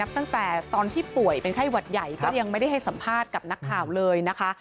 ตั้งแต่ตอนที่ป่วยเป็นไข้หวัดใหญ่ก็ยังไม่ได้ให้สัมภาษณ์กับนักข่าวเลยนะคะ